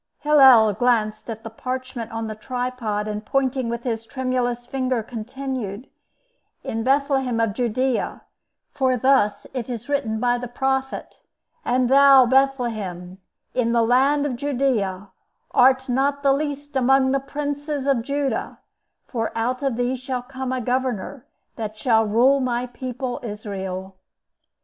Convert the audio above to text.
Hillel glanced at the parchment on the tripod; and, pointing with his tremulous finger, continued, "In Bethlehem of Judea, for thus it is written by the prophet, 'And thou, Bethlehem, in the land of Judea, art not the least among the princes of Judah; for out of thee shall come a governor that shall rule my people Israel.